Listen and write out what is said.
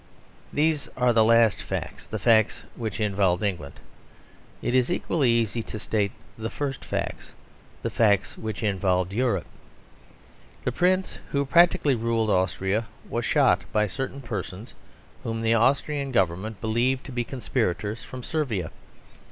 These are the last facts the facts which involved England. It is equally easy to state the first facts the facts which involved Europe. The Prince who practically ruled Austria was shot by certain persons whom the Austrian Government believed to be conspirators from Servia.